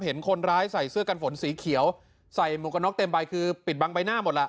เห็นคนร้ายใส่เสื้อกันฝนสีเขียวใส่หมวกกันน็อกเต็มใบคือปิดบังใบหน้าหมดล่ะ